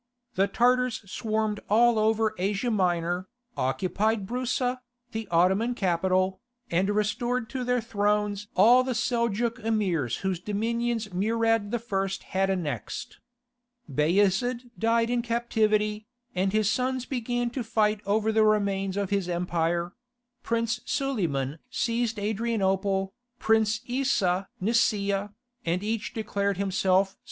The Tartars swarmed all over Asia Minor, occupied Broussa, the Ottoman capital, and restored to their thrones all the Seljouk Emirs whose dominions Murad I. had annexed. Bayezid died in captivity, and his sons began to fight over the remains of his empire: Prince Suleiman seized Adrianople, Prince Eesa Nicaea, and each declared himself Sultan.